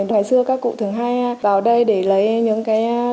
ngày xưa các cụ thường hay vào đây để lấy những cái